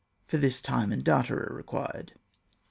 For this time and data are required.